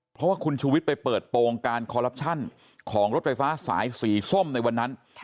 เพราะว่าคุณชูวิทย์ไปเปิดโปรงการคอลลับชั่นของรถไฟฟ้าสายสีส้มในวันนั้น